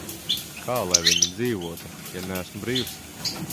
Kā lai viņi dzīvotu, ja neesmu brīvs?